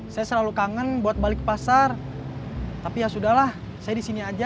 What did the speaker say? saya selalu kangen buat balik pasar tapi ya sudah lah saya disini aja